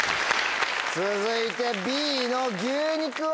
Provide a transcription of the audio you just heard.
続いてＢの「牛肉」は？